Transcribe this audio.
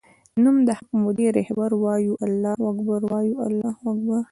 نوم د حق مودی رهبر وایو الله اکبر وایو الله اکبر